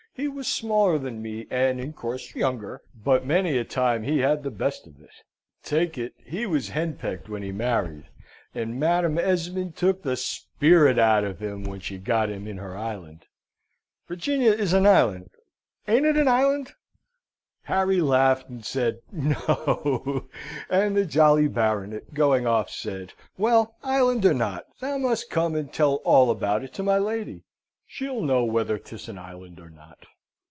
He was smaller than me, and in course younger; but many a time he had the best of it. Take it he was henpecked when he married, and Madam Esmond took the spirit out of him when she got him in her island. Virginia is an island. Ain't it an island?" Harry laughed, and said "No!" And the jolly Baronet, going off, said, "Well, island or not, thou must come and tell all about it to my lady. She'll know whether 'tis an island or not."